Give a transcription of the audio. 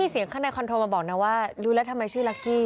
เสียงข้างในคอนโทรมาบอกนะว่ารู้แล้วทำไมชื่อลักกี้